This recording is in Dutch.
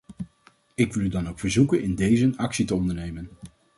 Ik wil u dan ook verzoeken in dezen actie te ondernemen.